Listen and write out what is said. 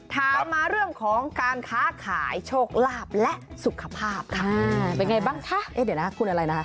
ถามมาเรื่องของการค้าขายโชคลาปและสุขภาพครับ